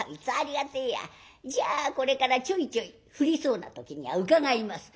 じゃあこれからちょいちょい降りそうな時には伺います」。